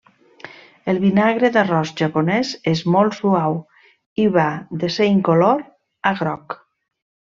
El vinagre d'arròs japonès és molt suau i va de ser incolor a groc.